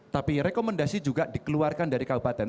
tapi rekomendasi juga dikeluarkan dari kabupaten